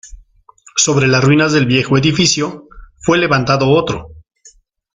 Sobre las ruinas del viejo edificio, fue levantado otro.